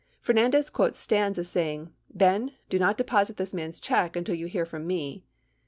Fernandez quotes Stans as saying, "Ben, do not deposit this man's check until you hear from me."